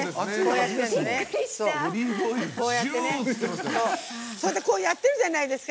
こうやってるじゃないですか。